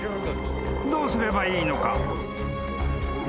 ［どうすればいいのか？］